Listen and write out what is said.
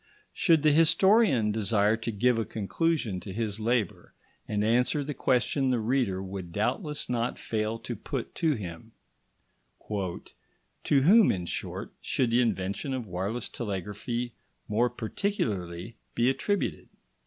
Should the historian desire to give a conclusion to his labour and answer the question the reader would doubtless not fail to put to him, "To whom, in short, should the invention of wireless telegraphy more particularly be attributed?"